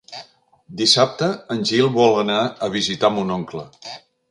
Dissabte en Gil vol anar a visitar mon oncle.